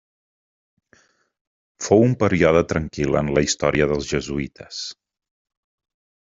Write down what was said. Fou un període tranquil en la història dels jesuïtes.